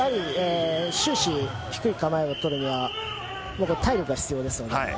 終始、低い構えを取るには体力が必要です。